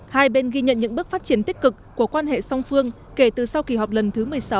hai bên ghi nhận những bước phát triển tích cực của quan hệ song phương kể từ sau kỳ họp lần thứ một mươi sáu